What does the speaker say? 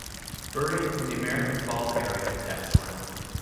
Birding in the American Falls area is excellent.